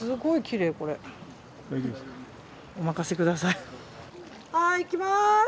いきます。